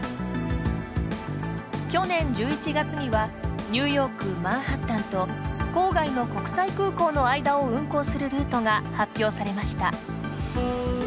去年１１月にはニューヨーク、マンハッタンと郊外の国際空港の間を運航するルートが発表されました。